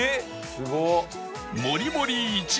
すごっ！